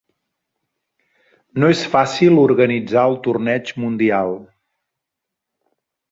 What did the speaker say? No és fàcil organitzar el torneig mundial.